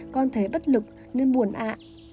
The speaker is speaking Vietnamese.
con thấy bất lực nên buồn ạ